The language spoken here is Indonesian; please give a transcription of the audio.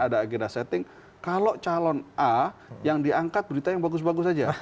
ada agenda setting kalau calon a yang diangkat berita yang bagus bagus saja